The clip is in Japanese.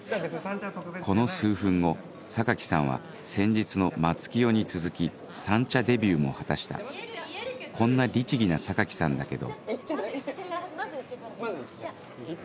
この数分後酒木さんは先日の「マツキヨ」に続き「三茶」デビューも果たしたこんな律義な酒木さんだけどまず「一茶」から。